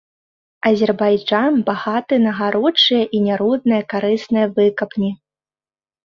Азербайджан багаты на гаручыя і нярудныя карысныя выкапні.